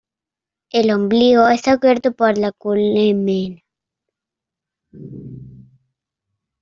El ombligo está cubierto por la columela.